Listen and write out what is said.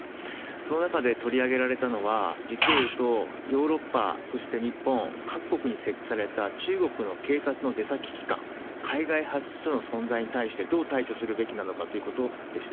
その中で取り上げられたのは、実をいうと、ヨーロッパ、そして日本、各国に設置された中国の警察の出先機関、海外派出所の存在に対してどう対処するべきなのかということでした。